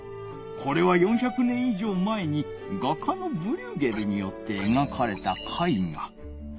これは４００年いじょう前に画家のブリューゲルによってえがかれた絵画。